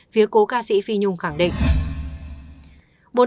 phía cố ca sĩ phi nhung khẳng định